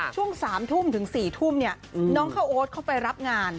ช่วง๓ทุ่มถึง๔ทุ่มเนี่ยน้องข้าวโอ๊ตเขาไปรับงาน